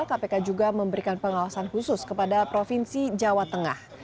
kpk juga memberikan pengawasan khusus kepada provinsi jawa tengah